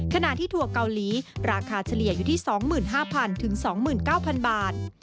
ขณะที่ถั่วเกาหลีราคาเฉลี่ยอยู่ที่๒๕๐๐๒๙๐๐บาท